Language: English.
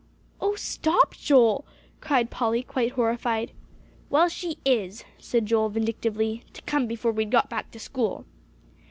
"Oh, stop, Joel!" cried Polly, quite horrified. "Well, she is," said Joel vindictively, "to come before we'd got back to school."